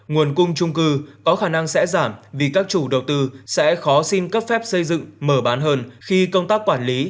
nguồn cung trung cư có khả năng sẽ giảm vì các chủ đầu tư sẽ khó xin cấp phép xây dựng mở bán hơn khi công tác quản lý